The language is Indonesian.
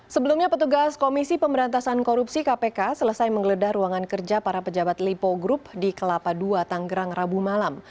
sebelumnya petugas komisi pemberantasan korupsi kpk selesai menggeledah ruangan kerja para pejabat lipo group di kelapa ii tanggerang rabu malam